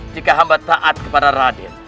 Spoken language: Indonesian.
jika hamba taat kepada radit